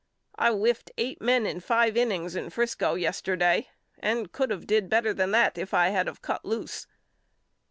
I whiffed eight men in five innings in Frisco yesterday and could of did better than that if I had of cut loose.